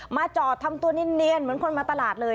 จอดทำตัวเนียนเหมือนคนมาตลาดเลย